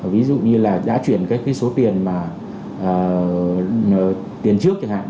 ví dụ như là đã chuyển các cái số tiền mà tiền trước chẳng hạn